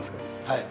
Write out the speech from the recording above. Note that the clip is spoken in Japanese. はい。